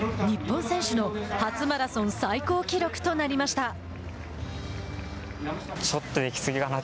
日本選手の初マラソン最高記録となりました。